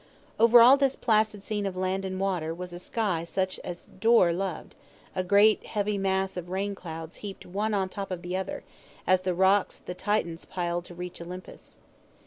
Over all this placid scene of land and water was a sky such as Dore loved a great heavy mass of rain clouds heaped one on top of the other, as the rocks the Titans piled to reach Olympus.